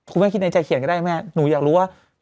คุณแม่คิดในใจเขียนก็ได้แม่หนูอยากรู้ว่า